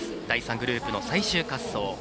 第３グループの第３滑走。